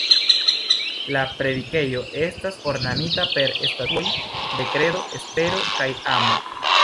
La predikejo estas ornamita per statuoj de Kredo, Espero kaj Amo.